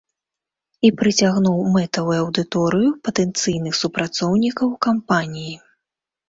І прыцягнуў мэтавую аўдыторыю патэнцыйных супрацоўнікаў кампаніі.